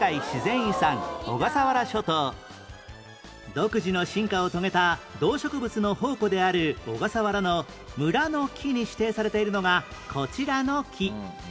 独自の進化を遂げた動植物の宝庫である小笠原の村の木に指定されているのがこちらの木